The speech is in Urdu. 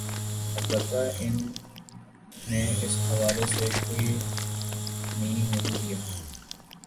البتہ ان نے اس حوالہ سے کوئی م نہیں لیا